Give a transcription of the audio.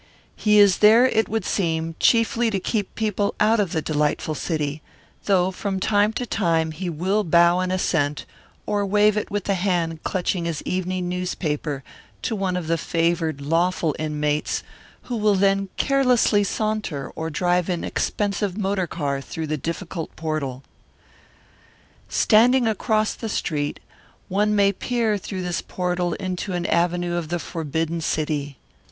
He is there, it would seem, chiefly to keep people out of the delightful city, though from time to time he will bow an assent or wave it with the hand clutching his evening newspaper to one of the favoured lawful inmates, who will then carelessly saunter or drive an expensive motor car through the difficult portal. Standing across the street, one may peer through this portal into an avenue of the forbidden city.